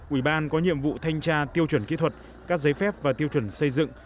ủy ban có nhiệm vụ thanh tra tiêu chuẩn kỹ thuật các giấy phép và tiêu chuẩn xây dựng